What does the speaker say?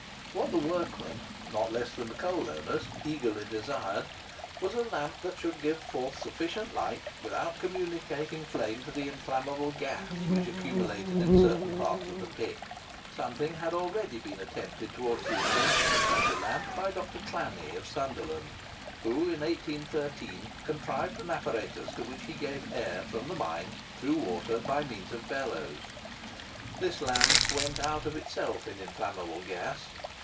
What the workmen, not less than the coal owners, eagerly desired was, a lamp that should give forth sufficient light, without communicating flame to the inflammable gas which accumulated in certain parts of the pit. Something had already been attempted towards the invention of such a lamp by Dr. Clanny, of Sunderland, who, in 1813, contrived an apparatus to which he gave air from the mine through water, by means of bellows. This lamp went out of itself in inflammable gas.